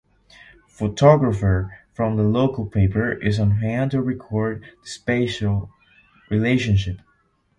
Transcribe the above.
A photographer from the local paper is on hand to record the special relationship...